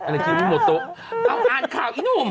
เราอ่านข่าวอีน้ม